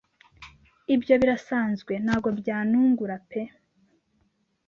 Ibyo birasanzwe ntago byanungura pe?